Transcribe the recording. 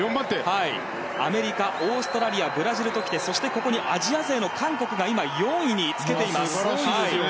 アメリカ、オーストラリアブラジルときてアジア勢の韓国が今、４位につけています。